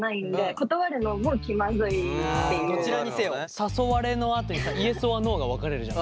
誘われのあとにさＹｅｓｏｒＮｏが分かれるじゃん。